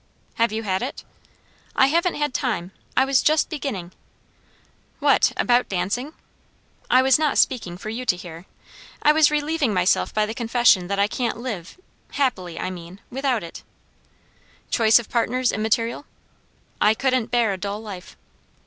"Have you had it?" "I haven't had time. I was just beginning." "What! about dancing?" "I was not speaking for you to hear. I was relieving myself by the confession that I can't live happily, I mean without it." "Choice of partners immaterial?" "I couldn't bear a dull life!"